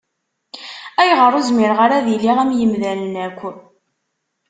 Ayɣer ur zmireɣ ara ad iliɣ am yimdanen akk?